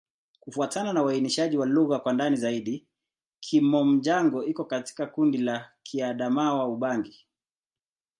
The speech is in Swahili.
Kufuatana na uainishaji wa lugha kwa ndani zaidi, Kimom-Jango iko katika kundi la Kiadamawa-Ubangi.